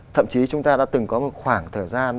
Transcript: thậm chí chúng ta đã từng có một khoảng thời gian